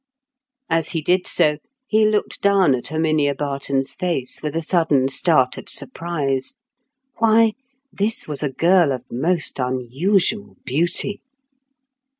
As he did so, he looked down at Herminia Barton's face with a sudden start of surprise. Why, this was a girl of most unusual beauty!